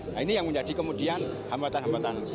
nah ini yang menjadi kemudian hambatan hambatan